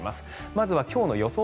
まずは今日の予想